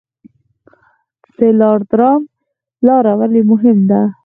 دلارام لاره ولې مهمه ده؟